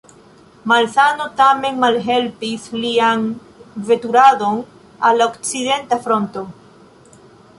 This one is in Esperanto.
Malsano tamen malhelpis lian veturadon al la Okcidenta Fronto.